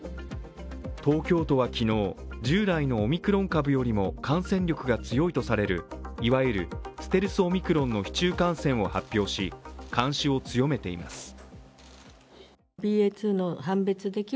東京都は昨日、従来のオミクロン株より感染力が強いとされるいわゆるステルスオミクロンの市中感染を発表し、監視を強めています。